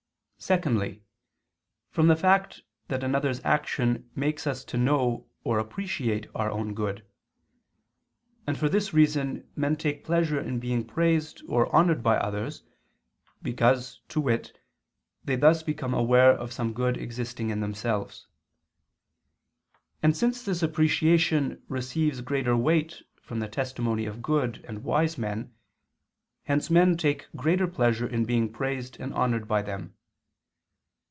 Secondly, from the fact that another's action makes us to know or appreciate our own good: and for this reason men take pleasure in being praised or honored by others, because, to wit, they thus become aware of some good existing in themselves. And since this appreciation receives greater weight from the testimony of good and wise men, hence men take greater pleasure in being praised and honored by them.